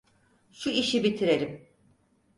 Şu işi bitirelim.